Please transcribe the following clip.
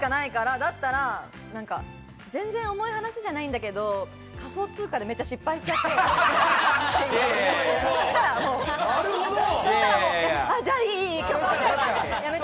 全然、重い話じゃないんだけど、仮想通貨でめっちゃ失敗しちゃってって。